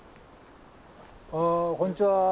あこんにちは。